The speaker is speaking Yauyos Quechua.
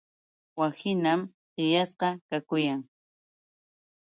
Wakhinam qillasqa kakuyan.